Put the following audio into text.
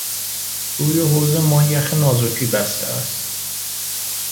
روی حوض ما یخ نازکی بسته است.